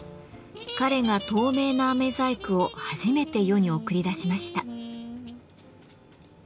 彼が透明な飴細工を初めて世に送り出しました。